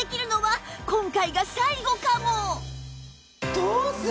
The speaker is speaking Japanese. どうする？